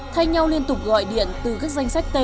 thay nhau liên tục gọi điện từ các danh sách t